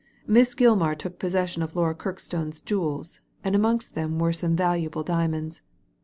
Miss Gilmar took possession of Laura Kirkstone's jewels, and amongst them were some valuable diamonds.